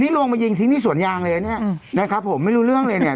นี่ลงมายิงทิ้งที่สวนยางเลยเนี้ยอืมนะครับผมไม่รู้เรื่องเลยเนี่ย